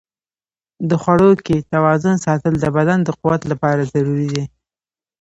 د خواړو کې توازن ساتل د بدن د قوت لپاره ضروري دي.